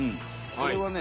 あれはね